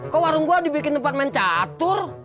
kok warung gua dibikin tempat main catur